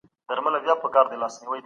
رښتيني انسان د زړونو مينه ولټوله.